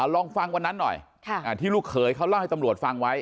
ลองฟังวันนั้นหน่อยที่ลูกเขยเขาเล่าให้ตำรวจฟังไว้